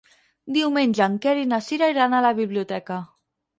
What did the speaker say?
Diumenge en Quer i na Cira iran a la biblioteca.